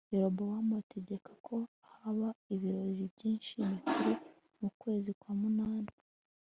Yerobowamu ategeka ko haba ibirori byiminsi mikuru mu kwezi kwa munani